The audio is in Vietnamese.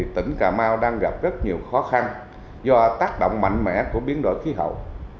tỉnh cà mau đang gặp rất nhiều khó khăn do tác động mạnh mẽ của biến đổi khí hậu